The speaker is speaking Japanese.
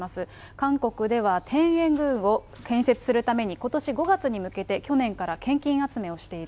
韓国では天苑宮を建設するために、ことし５月に向けて、去年から献金集めをしている。